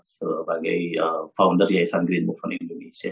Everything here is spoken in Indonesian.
sebagai founder yayasan green book from indonesia